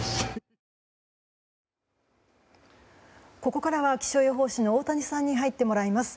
ここからは気象予報士の太谷さんに入ってもらいます。